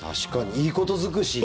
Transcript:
いいこと尽くし。